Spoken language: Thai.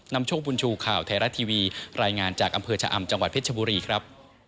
โชคบุญชูข่าวไทยรัฐทีวีรายงานจากอำเภอชะอำจังหวัดเพชรบุรีครับ